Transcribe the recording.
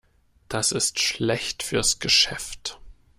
Das ist schlecht fürs Geschäft.